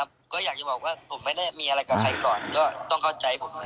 ผมไม่ได้มีอะไรกับใครก่อน